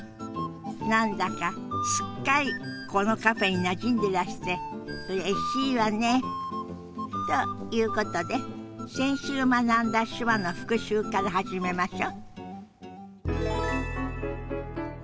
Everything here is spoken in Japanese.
何だかすっかりこのカフェになじんでらしてうれしいわね。ということで先週学んだ手話の復習から始めましょ。